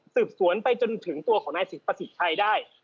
สืบสวนไปจนถึงตัวของนายประสิทธิ์ชัยได้